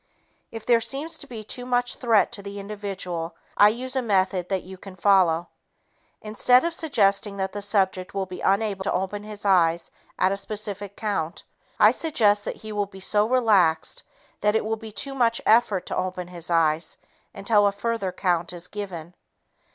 If there seems to be too much threat to the individual, I use a method that you can follow. Instead of suggesting that the subject will be unable to open his eyes at a specific count, I suggest that he will be so relaxed that it will be too much effort to open his eyes until a further count is given.